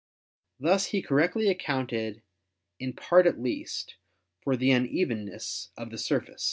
Thus he correctly ac counted, in part at least, for the unevenness of the surface.